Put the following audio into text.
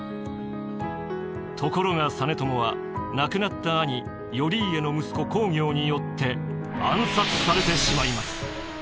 ところが実朝は亡くなった兄頼家の息子公暁によって暗殺されてしまいます。